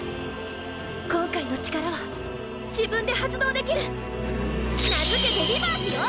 今回の力は自分で発動できる！名付けて「リバース」よ！